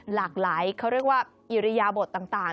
หลากหลายเขาเรียกว่าอิริยบทต่าง